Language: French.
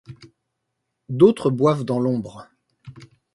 D’autres boivent dans l’ombre